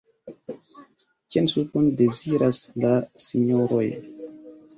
Kian supon deziras la Sinjoroj?